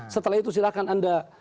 setelah itu silahkan anda